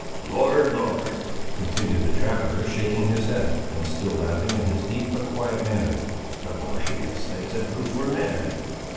"Lord! Lord!" continued the trapper, shaking his head, and still laughing, in his deep but quiet manner; "the boy mistakes a brute for a man!